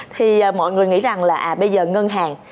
thì mọi người nghĩ rằng là bây giờ ngân hàng